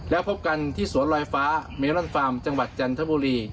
แล้วพบกันที่สวนลอยฟ้าเมลอนฟาร์มจังหวัดจันทบุรี